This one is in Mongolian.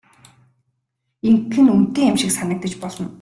Ингэх нь үнэтэй юм шиг санагдаж болно.